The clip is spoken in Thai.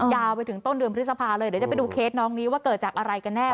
ยาวไปถึงต้นเดือนพฤษภาเลยเดี๋ยวจะไปดูเคสน้องนี้ว่าเกิดจากอะไรกันแน่